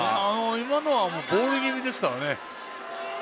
今のはボール気味ですからね。